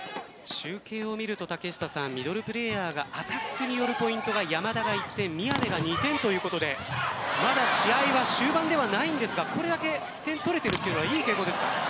集計を見るとミドルプレーヤーがアタックによるポイントが山田が１点宮部が２点ということでまだ試合は終盤ではないんですがこれだけ点が取れているのはいい傾向ですか？